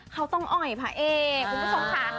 เขาต้องอ่อยพระเอกคุณผู้ชมค่ะ